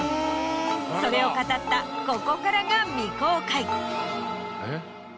それを語ったここからが未公開。